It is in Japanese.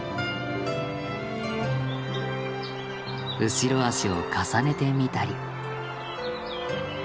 後ろ足を重ねてみたり。